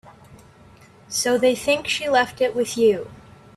So they think she left it with you.